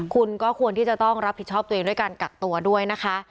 คุณก็ควรที่จะต้องรับผิดชอบตัวเองด้วยการกักตัวด้วยนะคะ